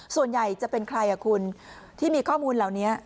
ส่วนใหญ่จะเป็นใครคุณที่มีข้อมูลเหล่านี้